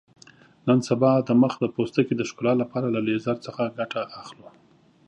نن سبا د مخ د پوستکي د ښکلا لپاره له لیزر څخه ګټه اخلو.